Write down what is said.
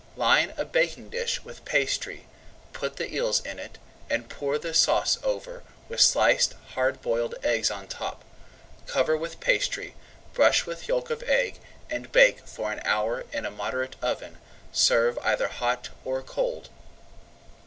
Line a baking dish with pastry, put the eels in it, and pour the sauce over, with sliced hard boiled eggs on top. Cover with pastry, brush with yolk of egg, and bake for an hour in a moderate oven. Serve either hot or cold.